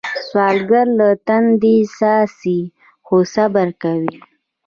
سوالګر له تندي څاڅي خو صبر کوي